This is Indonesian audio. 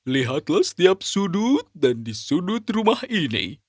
lihatlah setiap sudut dan di sudut rumah ini